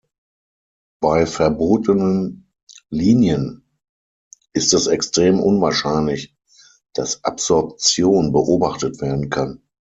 Bei „verbotenen Linien“ ist es extrem unwahrscheinlich, dass Absorption beobachtet werden kann.